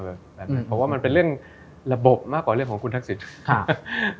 เพราะว่ามันเป็นเรื่องระบบมากกว่าเรื่องของคุณทักษิณ